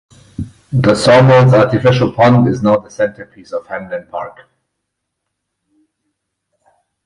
The sawmill's artificial pond is now the centerpiece of Hamlin Park.